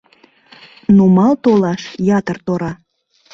Нумал толаш ятыр тора...